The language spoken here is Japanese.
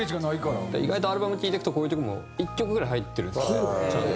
意外とアルバム聴いていくとこういう曲も１曲ぐらい入ってるんですよねちゃんと。